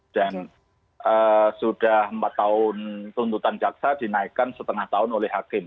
dan sudah empat tahun tuntutan jaksa dinaikkan setengah tahun oleh hakim